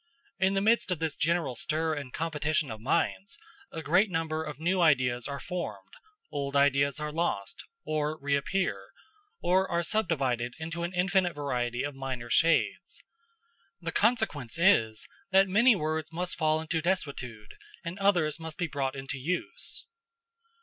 In the midst of this general stir and competition of minds, a great number of new ideas are formed, old ideas are lost, or reappear, or are subdivided into an infinite variety of minor shades. The consequence is, that many words must fall into desuetude, and others must be brought into use.